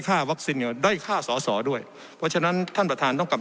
วัคซีนเนี่ยได้ค่าสอสอด้วยเพราะฉะนั้นท่านประธานต้องกลับ